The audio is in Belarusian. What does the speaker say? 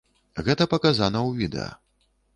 Гэта паказана ў відэа.